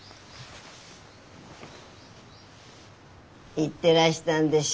行ってらしたんでしょ？